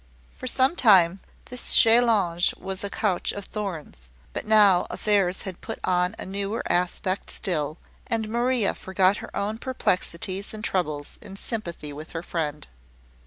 For some time, this chaise longue was a couch of thorns; but now affairs had put on a newer aspect still, and Maria forgot her own perplexities and troubles in sympathy with her friend.